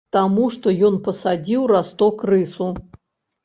Таму што ён пасадзіў расток рысу.